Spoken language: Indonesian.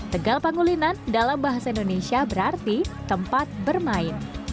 tegal pangulinan dalam bahasa indonesia berarti tempat bermain